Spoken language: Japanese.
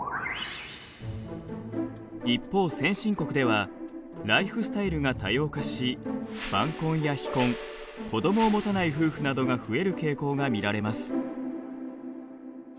一方先進国ではライフスタイルが多様化し晩婚や非婚子どもを持たない夫婦などが増える傾向が見られます。